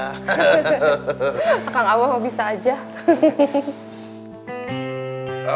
kakak abah mau bisa saja